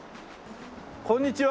こんにちは。